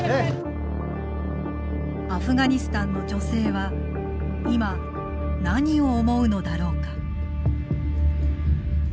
アフガニスタンの女性は今何を思うのだろうか。